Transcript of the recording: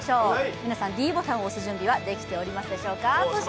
皆さんｄボタンを押す準備はできていますでしょうか？